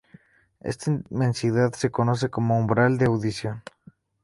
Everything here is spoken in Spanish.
Esta intensidad se conoce como umbral de audición.